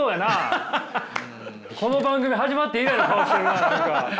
この番組始まって以来の顔してるな何か。